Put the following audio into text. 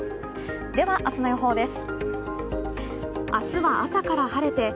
では、明日の予報です。